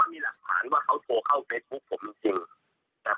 แต่ผมไม่รับ่ายแล้วผมรับตายไปรอบนึงเพราะเขาเทียบเงินหลักสิบกว่าระหญิง